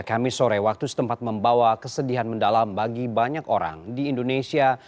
kami sore waktu setempat membawa kesedihan mendalam bagi banyak orang di indonesia